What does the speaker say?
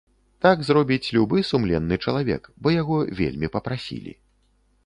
Так зробіць любы сумленны чалавек, бо яго вельмі папрасілі.